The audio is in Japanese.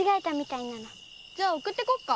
じゃあ送ってこっか？